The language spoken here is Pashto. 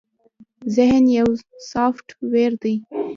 ذهن يو سافټ وئېر دے